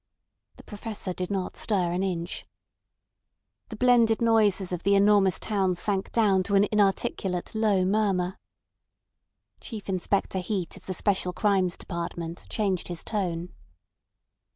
The Professor did not stir an inch. The blended noises of the enormous town sank down to an inarticulate low murmur. Chief Inspector Heat of the Special Crimes Department changed his tone.